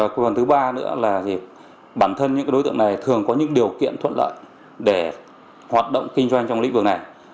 cơ sở thứ ba nữa là bản thân những đối tượng này thường có những điều kiện thuận lợi để hoạt động kinh doanh trong lĩnh vực này